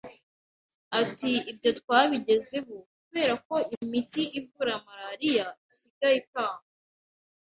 Ati “Ibyo twabigezeho kubera ko imiti ivura malariya isigaye itangwa